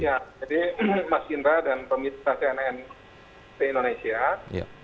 jadi mas indra dan pemirsa cnnp indonesia